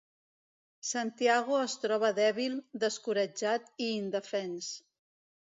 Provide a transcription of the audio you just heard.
Santiago es troba dèbil, descoratjat i indefens.